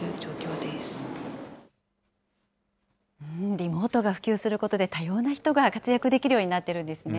リモートが普及することで、多様な人が活躍できるようになってるんですね。